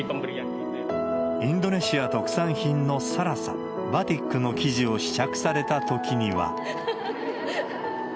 インドネシア特産品のさらさ、バティックの生地を試着されたときには。